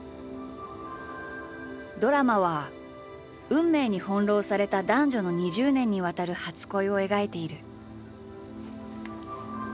ドラマは運命に翻弄された男女の２０年にわたる初恋を描いている。